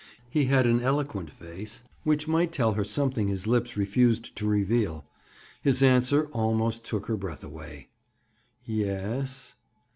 He had an eloquent face which might tell her something his lips refused to reveal. His answer almost took her breath away. "Ye es."